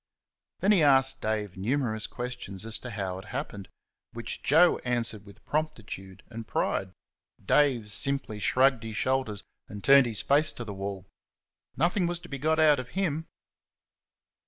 Then he asked Dave numerous questions as to how it happened, which Joe answered with promptitude and pride. Dave simply shrugged his shoulders and turned his face to the wall. Nothing was to be got out of him.